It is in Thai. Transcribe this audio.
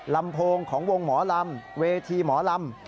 ลำโพงของวงหมอลำเวทีหมอลำ